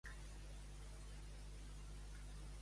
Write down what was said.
On es reunia, habitualment, amb la viuda?